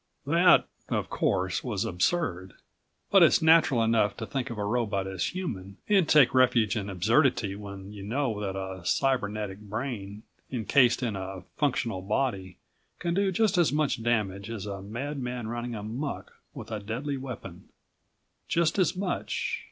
That, of course, was absurd. But it's natural enough to think of a robot as human and take refuge in absurdity when you know that a cybernetic brain, encased in a functional body, can do just as much damage as a madman running amuck with a deadly weapon. Just as much